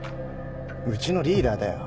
うちのリーダーだよ。